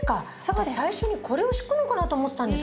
私最初にこれを敷くのかなと思ってたんですけど。